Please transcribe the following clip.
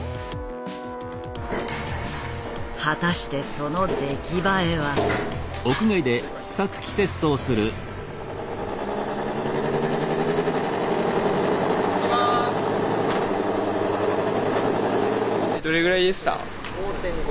果たしてその出来栄えは。どれぐらいでした？